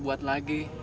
saya akan buat lagi